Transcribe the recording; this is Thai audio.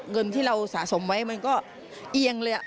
เงินที่เราสะสมไว้มันก็เอียงเลย